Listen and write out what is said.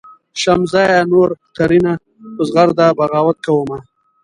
"شمسزیه نور ترېنه په زغرده بغاوت کومه.